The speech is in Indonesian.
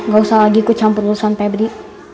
gak usah lagi ikut campur urusan pebri